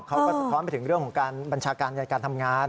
สะท้อนไปถึงเรื่องของการบัญชาการในการทำงาน